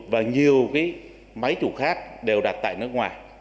mấy cái máy chủ khác đều đặt tại nước ngoài